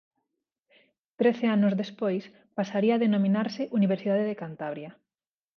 Trece anos despois pasaría a denominarse Universidade de Cantabria.